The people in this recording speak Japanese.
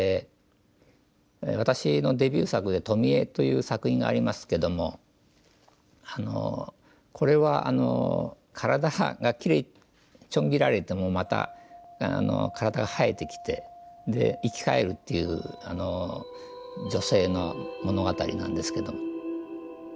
私のデビュー作で「富江」という作品がありますけどもこれは体がちょん切られてもまた体が生えてきてで生き返るっていう女性の物語なんですけど。